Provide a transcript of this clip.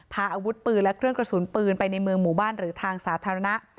พาอาวุธปืนและเครื่องกระสุนปืนไปในเมืองหมู่บ้านหรือทางสาธารณะ